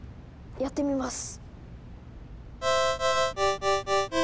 やってみます。